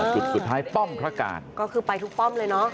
จุดสุดท้ายป้อมพระการก็คือไปทุกป้อมเลยเนอะ